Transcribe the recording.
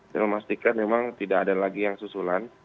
dengan memastikan memang tidak ada lagi yang susulan